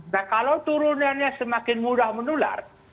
nah kalau turunannya semakin mudah menular